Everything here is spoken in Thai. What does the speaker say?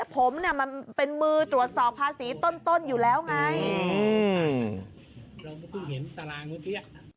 ผมเป็นมือตรวจสอบภาษีต้นอยู่แล้วไง